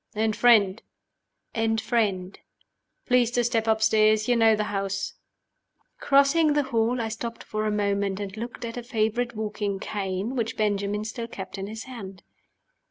"And friend?" "And friend." "Please to step upstairs. You know the house." Crossing the hall, I stopped for a moment, and looked at a favorite walking cane which Benjamin still kept in his hand.